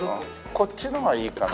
こっちのがいいかな？